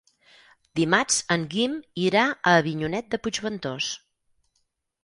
Dimarts en Guim irà a Avinyonet de Puigventós.